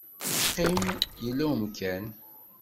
Qqim, yella umkan.